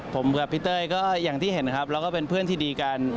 ผมกับพี่เต้ยก็อย่างที่เห็นครับแล้วก็เป็นเพื่อนที่ดีกัน